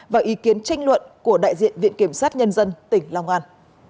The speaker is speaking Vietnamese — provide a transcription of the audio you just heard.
và ý kiến tranh luận của đại diện viện kiểm sát nhân dân tỉnh long an